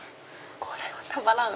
これはたまらん！